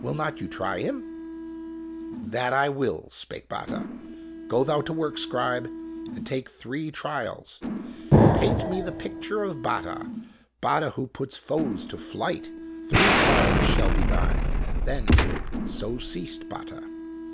"Will not you try him ?' "That I will," spake Batta. " Go thou to work, Scribe, and take PREHISTORIC PHOTOGRAPHY II three trials. Paint me the picture of Batta Batta who puts foes to flight ! Three trials shall be thine, and then So ceased Batta.